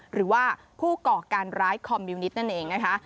หรือว่าผู้ก่อการร้ายคอมมิวนิตนั่นเองนะคะ